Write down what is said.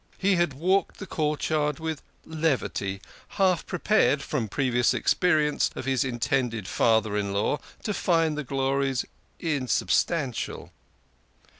He had walked the courtyard with levity, half prepared, from previous experience of his intended father in law, to find the glories insubstantial.